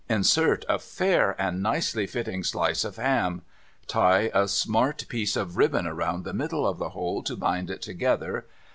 Insert a fair and nicely fitting slice of ham. Tie a smart piece of ribbon round the middle of the whole to bind it together.